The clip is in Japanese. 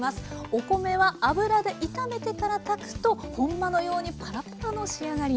お米は油で炒めてから炊くと本場のようにパラパラの仕上がりに。